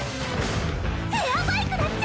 エアバイクだっちゃ！